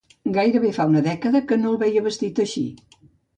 Gairebé fa una dècada que no el veia vestit així.